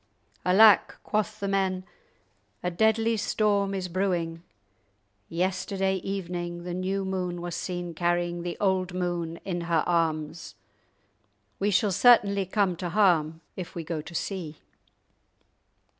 "Alack," quoth the men, "a deadly storm is brewing. Yesterday evening the new moon was seen carrying the old moon in her arms; we shall certainly come to harm if we go to sea."